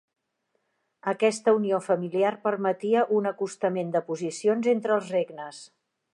Aquesta unió familiar permetria un acostament de posicions entre els regnes.